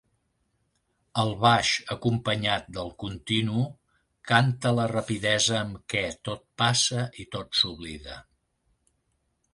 El baix acompanyat del continu, canta la rapidesa amb què tot passa i tot s'oblida.